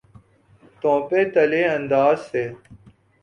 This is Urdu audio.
تو نپے تلے انداز سے۔